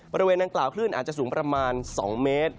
บริเวณดังกล่าวคลื่นอาจจะสูงประมาณ๒เมตร